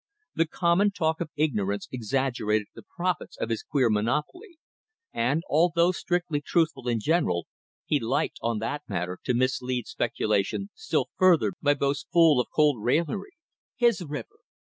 The common talk of ignorance exaggerated the profits of his queer monopoly, and, although strictly truthful in general, he liked, on that matter, to mislead speculation still further by boasts full of cold raillery. His river!